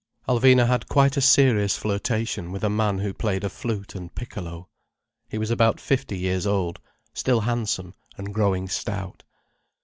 Alvina had quite a serious flirtation with a man who played a flute and piccolo. He was about fifty years old, still handsome, and growing stout.